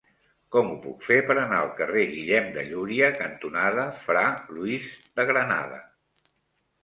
Com ho puc fer per anar al carrer Guillem de Llúria cantonada Fra Luis de Granada?